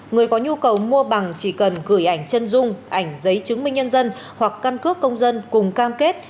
người có nhu cầu mua bằng chỉ cần gửi ảnh chân dung ảnh giấy chứng minh nhân dân hoặc căn cước công dân cùng cam kết